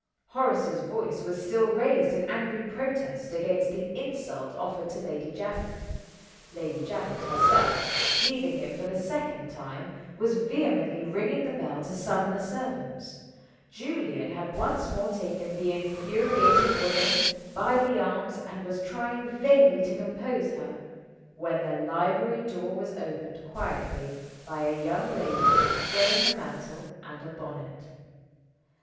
Horace's voice was still raised in angry protest against the insult offered to Lady Janet; Lady Janet herself (leaving him for the second time) was vehemently ringing the bell to summon the servants; Julian had once more taken the infuriated woman by the arms and was trying vainly to compose her when the library door was opened quietly by a young lady wearing a mantle and a bonnet.